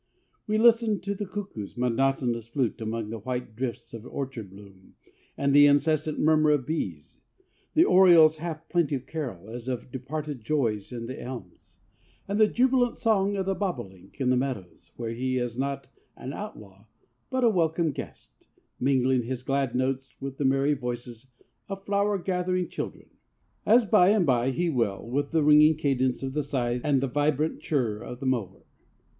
We listen to the cuckoo's monotonous flute among the white drifts of orchard bloom and the incessant murmur of bees, the oriole's half plaintive carol as of departed joys in the elms, and the jubilant song of the bobolink in the meadows, where he is not an outlaw but a welcome guest, mingling his glad notes with the merry voices of flower gathering children, as by and by he will with the ringing cadence of the scythe and the vibrant chirr of the mower.